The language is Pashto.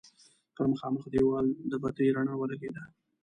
پر مخامخ دېوال د بتۍ رڼا ولګېده.